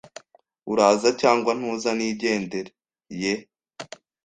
Uraza cyangwa ntuza nigendere. Ye?